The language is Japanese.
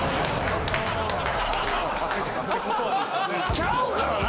ちゃうからな！